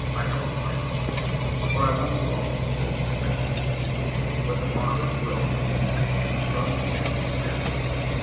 I have applied for it." "But I won't go," said the impetuous boy. But the father's will was law, and the son began to prepare himself.